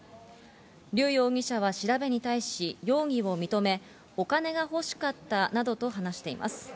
リュウ容疑者は調べに対し容疑を認め、お金が欲しかったなどと話しています。